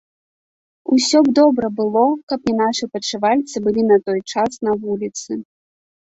Усё б добра было, каб не нашы падшывальцы былі на той час на вуліцы.